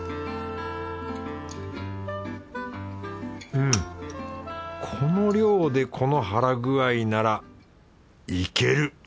うんこの量でこの腹具合ならいける！